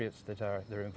yang bergantung di sini